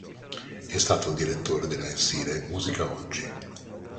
È stato direttore del mensile "Musica Oggi".